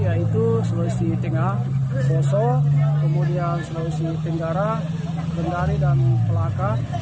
yaitu seluruh istri tingah boso kemudian seluruh istri tenggara bendari dan pelaka